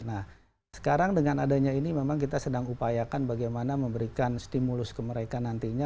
nah sekarang dengan adanya ini memang kita sedang upayakan bagaimana memberikan stimulus ke mereka nantinya